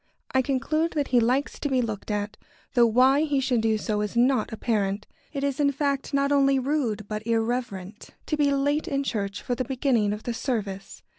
I conclude that he likes to be looked at, though why he should do so is not apparent. It is, in fact, not only rude, but irreverent, to be late in church for the beginning of the service.